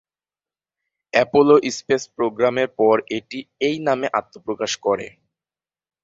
Apollo space প্রোগ্রামের পর এটি এই নামে আত্নপ্রকাশ করে।